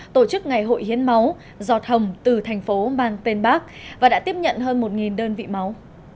tổ chức ngày hội hiến máu giọt hầm từ tp hcm và đã tiếp nhận hơn một đơn vị máu